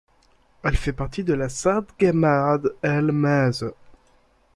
Elle fait partie de la Samtgemeinde Elm-Asse.